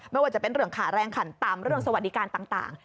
ไม่ว่าจะเป็นเรื่องขาแรงขันต่ำเรื่องสวัสดิการต่าง